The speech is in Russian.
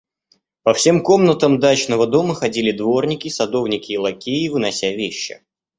По всем комнатам дачного дома ходили дворники, садовники и лакеи, вынося вещи.